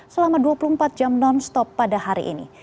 selama dua puluh empat jam non stop pada hari ini